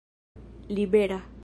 libera